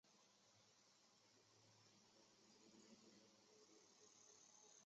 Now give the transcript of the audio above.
因为紧张的肌肉就像淤塞的水管阻碍水的流通。